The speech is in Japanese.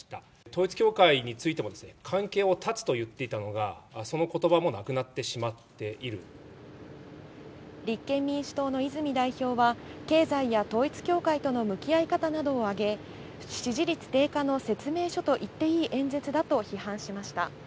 統一教会についても、関係を断つと言っていたのが、そのことばもなくなってしまって立憲民主党の泉代表は、経済や統一教会との向き合い方などを挙げ、支持率低下の説明書といっていい演説だと批判しました。